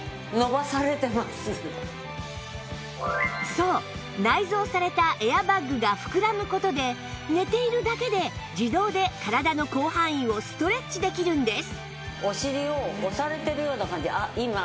そう内蔵されたエアバッグが膨らむ事で寝ているだけで自動で体の広範囲をストレッチできるんです